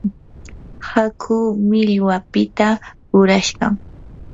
hakuu millwapita rurashqam.